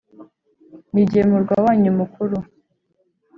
ni jye murwa wanyu mukuru,